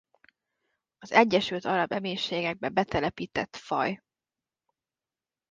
Az Egyesült Arab Emírségekbe betelepített faj.